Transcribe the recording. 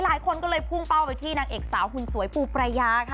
หลายคนก็เลยพุ่งเป้าไปที่นางเอกสาวหุ่นสวยปูปรายาค่ะ